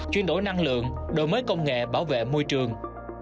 chuyển đổi năng lượng đổi mới công nghệ bảo vệ môi trường